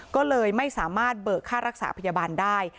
ก็เลยไม่สามารถเบิกค่ารักษาพยาบาลได้